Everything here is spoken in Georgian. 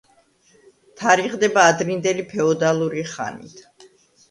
თარიღდება ადრინდელი ფეოდალური ხანით.